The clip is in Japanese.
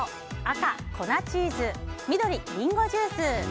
赤、粉チーズ緑、リンゴジュース。